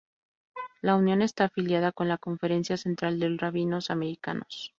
La unión está afiliada con la Conferencia Central de Rabinos Americanos.